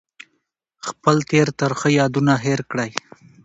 خپل تېر ترخه یادونه هېر کړئ.